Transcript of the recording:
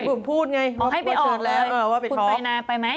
บุ๋มพูดไงให้ไปออกแล้วคุณปริณาไปไหม